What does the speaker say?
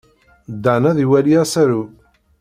Dan ad iwali asaru.